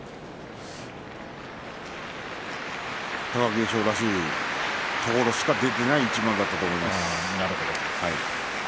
貴景勝らしいところしか出ていない一番だったと思います。